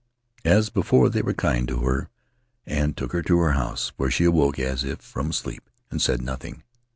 As before, they were kind to her and took her to her house, where she awoke as if from sleep, and said nothing.